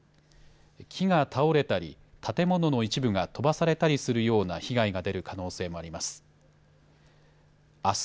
木が倒れたり、建物の一部が飛ばされたりするような被害が出る可能性もあります。